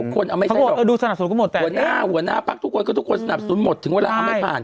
คนเอาไม่ใช่หรอกแต่หัวหน้าหัวหน้าพักทุกคนก็ทุกคนสนับสนุนหมดถึงเวลาเอาไม่ผ่าน